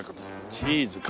チーズか。